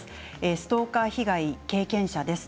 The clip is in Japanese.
ストーカー被害経験者です。